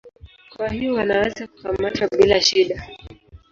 Kwa hivyo wanaweza kukamatwa bila shida.